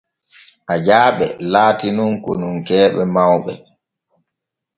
Ajaaɓe laati nun konunkeeɓe mawɓe.